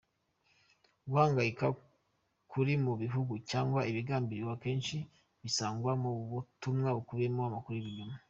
Guhangayika kuri mu gihugu cyangwa ibigambiriwe, akenshi bisangwa mu butumwa bukubiyemo amakuru y'ibinyoma.